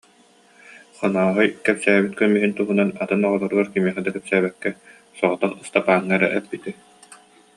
Хонооһой кистээбит көмүһүн туһунан атын оҕолоругар кимиэхэ да кэпсээбэккэ, соҕотох Ыстапааҥҥа эрэ эппитэ